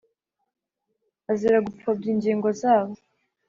Azira gupfobya ingingo zabo